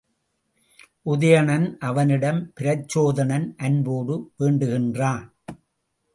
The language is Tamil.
உதயணன் அவனிடம், பிரச்சோதனன் அன்போடு வேண்டுகின்றான்!